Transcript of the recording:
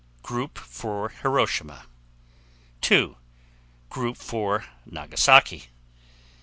Group for Hiroshima. 2. Group for Nagasaki.